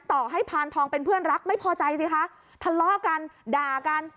ต่อให้พานทองเป็นเพื่อนรักไม่พอใจสิคะทะเลาะกันด่ากัน